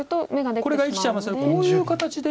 これが生きちゃいますのでこういう形で。